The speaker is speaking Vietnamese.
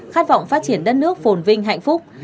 khát vọng phát triển đất nước phồn vinh hạnh phúc